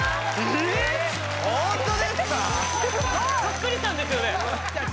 そっくりさんですよね？